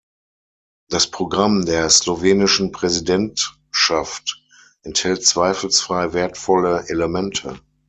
Das Programm der slowenischen Präsidentschaft enthält zweifelsfrei wertvolle Elemente.